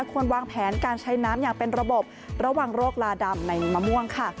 ควรวางแผนการใช้น้ำอย่างเป็นระบบระวังโรคลาดำในมะม่วงค่ะ